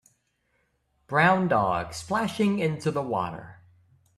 Brown dog splashing into the water